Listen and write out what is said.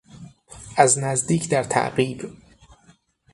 از نزدیک در تعقیب